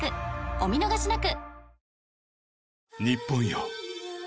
お見逃しなく！］